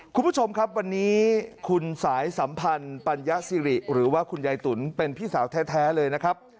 คุณผู้ชมครับวันนี้คุณสายสัมพันธ์ปัญญาสิริหรือว่าคุณยายตุ๋นเป็นพี่สาวแท้เลยนะครับ